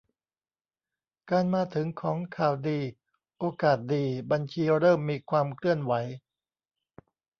การมาถึงของข่าวดี โอกาสดี บัญชีเริ่มมีความเคลื่อนไหว